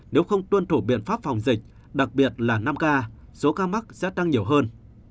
nếu không tuân thủ biện pháp phòng dịch đặc biệt là năm ca số ca mắc sẽ tăng nhiều hơn